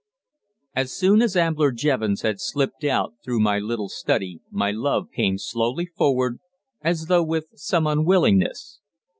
As soon as Ambler Jevons had slipped out through my little study my love came slowly forward, as though with some unwillingness.